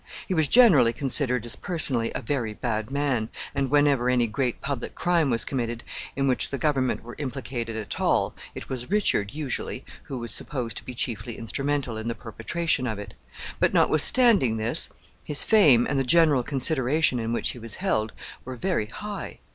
He was generally considered as personally a very bad man, and, whenever any great public crime was committed, in which the government were implicated at all, it was Richard, usually, who was supposed to be chiefly instrumental in the perpetration of it; but, notwithstanding this, his fame, and the general consideration in which he was held, were very high.